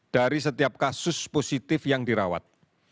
dari setiap kasus positif yang dirawat